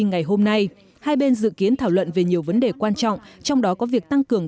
ngày hôm nay hai bên dự kiến thảo luận về nhiều vấn đề quan trọng trong đó có việc tăng cường